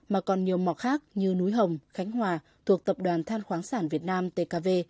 mà còn nhiều mỏ khác như núi hồng khánh hòa thuộc tập đoàn than khoáng sản việt nam tkv